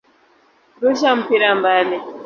Rusha mpira mbali.